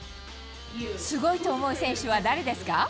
すごいと思う選手は誰ですか。